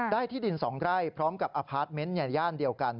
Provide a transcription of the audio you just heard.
ที่ดิน๒ไร่พร้อมกับอพาร์ทเมนต์ในย่านเดียวกัน